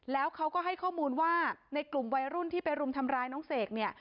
แล้วเขาก็ให้ข้อมูลว่าในกลุ่มวัยรุ่นที่ไปรุมทำร้ายน้องเสกเนี่ย